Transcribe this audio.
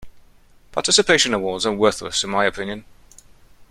Participation awards are worthless in my opinion.